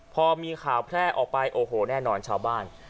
พอมีข่าวแพร่ออกไปโอ้โหแน่นอนชาวบ้าน